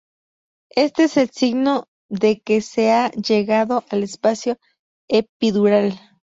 Esto es el signo de que se ha llegado al espacio epidural.